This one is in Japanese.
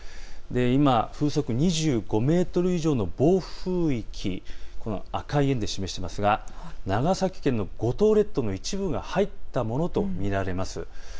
今、風速２５メートル以上の暴風域、この赤い円で示していますが長崎県の五島列島の一部が入ったものと見られます。